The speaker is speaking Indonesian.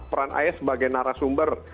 peran ayah sebagai narasumber